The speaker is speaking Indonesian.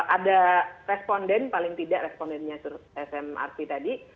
ada responden paling tidak respondennya smrc tadi